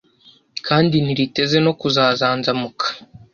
kandi ntiriteze no kuzazanzamuka